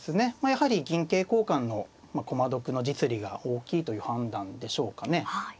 やはり銀桂交換の駒得の実利が大きいという判断でしょうかね。